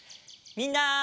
みんな。